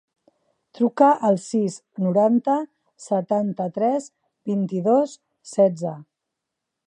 Truca al sis, noranta, setanta-tres, vint-i-dos, setze.